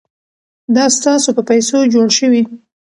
دا ستاسو په پیسو جوړ شوي.